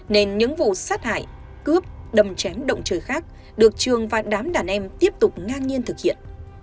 nên những vụ sát hại cướp đâm chém động trời khác được trường và đám đàn em tiếp tục ngang nhiên thực hiện